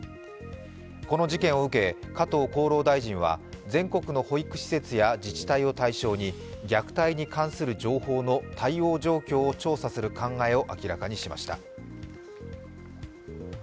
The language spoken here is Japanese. この事件を受け、加藤厚労大臣は全国の保育施設や自治体を対象に虐待に関する情報への対応状況を調査する考えを明らかにしました。